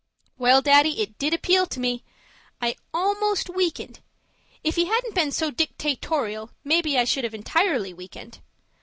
Well, Daddy, it did appeal to me! I almost weakened; if he hadn't been so dictatorial, maybe I should have entirely weakened.